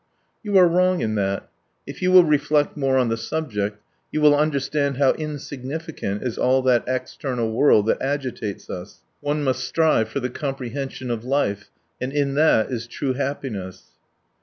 "You are wrong in that; if you will reflect more on the subject you will understand how insignificant is all that external world that agitates us. One must strive for the comprehension of life, and in that is true happiness."